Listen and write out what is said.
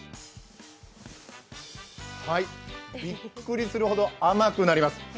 はい、びっくりするほど甘くなります。